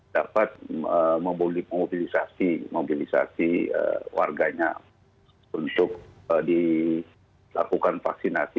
dapat memobilisasi warganya untuk dilakukan vaksinasi